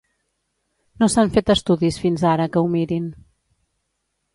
No s'han fet estudis fins ara que ho mirin.